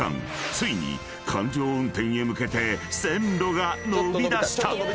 ［ついに環状運転へ向けて線路が延びだした］